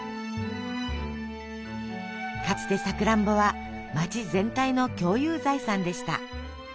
かつてさくらんぼは街全体の共有財産でした。